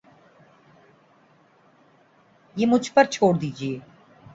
یہ مجھ پر چھوڑ دیجئے